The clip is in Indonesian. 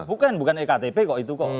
bukan bukan ektp kok itu kok